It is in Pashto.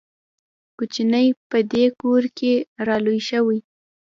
کوچنی په دې کور کې را لوی شوی.